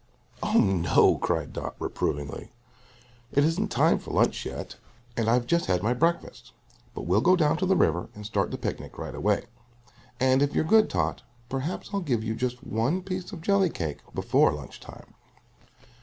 "Oh, no," cried Dot reprovingly. "It isn't time for lunch yet. And I've just had my breakfast. But we'll go down to the river and start the picnic right away. And, if you're good, Tot, perhaps I'll give you just one piece of jelly cake before lunch time."